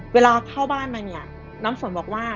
เวลาเข้าบ้านมาเนี่ยน้ำฝนบอกว่า